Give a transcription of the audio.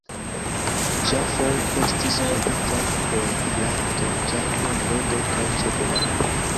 Ŝafoj estis breditaj por lakto, viando, ledo kaj ĉefe lano.